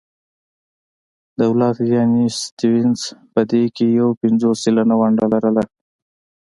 دولت یعنې سټیونز په دې کې یو پنځوس سلنه ونډه لرله.